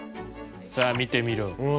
さあ見てみろ。